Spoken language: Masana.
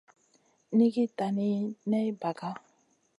Nʼiigui tani ney ɓaga.